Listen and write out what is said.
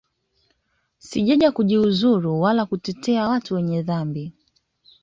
Sijaja kujiuzulu wala kutetea watu wenye madhambi